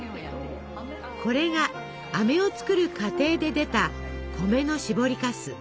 これがあめを作る過程で出た米のしぼりかす。